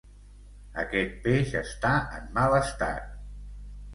Aquest peix està en mal estat.